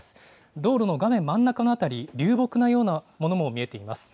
道路の画面真ん中の辺り、流木のようなものも見えています。